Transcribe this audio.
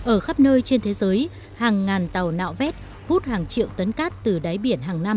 ở khắp nơi trên thế giới hàng ngàn tàu nạo vét hút hàng triệu tấn cát từ đáy biển hàng năm